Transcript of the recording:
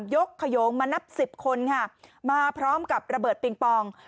ขยงมานับสิบคนค่ะมาพร้อมกับระเบิดปิงปอง